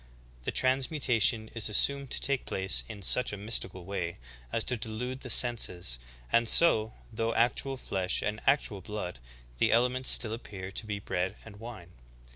The transmutation is assumed to take place in such a mystical way as to delude the senses ; and so, though actual flesh and actual blood, the elements still appear to be bread and wine.